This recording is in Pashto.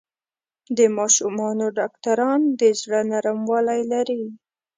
د ماشومانو ډاکټران د زړۀ نرموالی لري.